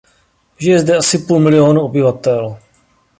Žije zde asi půl milionů obyvatel.